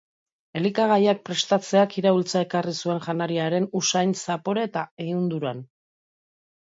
Elikagaiak prestatzeak iraultza ekarri zuen janariaren usain, zapore eta ehunduran.